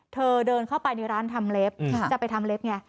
เดินเข้าไปในร้านทำเล็บจะไปทำเล็บไง